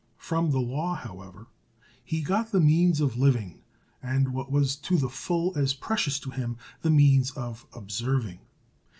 From the law, however, he got the means of living, and, what was to the full as precious to him, the means of observing.